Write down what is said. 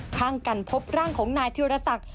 ข้างกันพบร่างของนายธิรศักดิ์